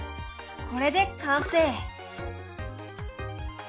これで完成！